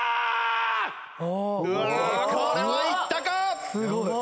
うわこれはいったか？